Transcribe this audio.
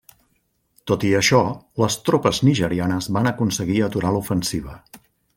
Tot i això, les tropes nigerianes van aconseguir aturar l'ofensiva.